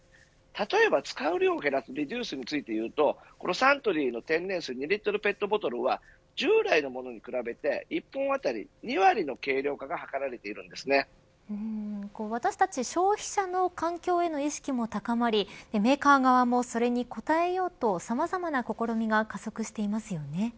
例えば使う量を減らすリデュースについて言うとこのサントリーの天然水２リットルペットボトルは従来のものに比べて１本当たり２割の軽量化が私たち消費者の環境への意識も高まりメーカー側もそれに応えようとさまざまな試みが加速していますよね。